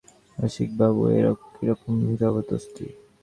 রসিকবাবু, এ কিরকম জবর্দস্তি?